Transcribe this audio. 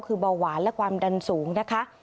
คือเบาหวานและความดันสูงนะคะ